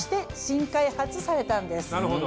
なるほど！